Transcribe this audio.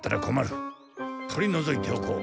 取りのぞいておこう。